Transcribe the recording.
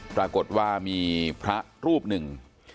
ปรากฏว่ามีพระรูปหนึ่ง